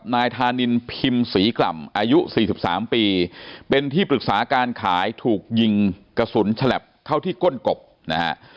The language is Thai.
นายธานินพิมพ์ศรีกล่ำอายุ๔๓ปีเป็นที่ปรึกษาการขายถูกยิงกระสุนฉลับเข้าที่ก้นกบนะฮะ